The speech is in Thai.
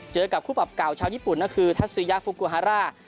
เจอกับคู่ปรับเก่าชาวญี่ปุ่นก็คือทัศยาฟูกูฮาร่า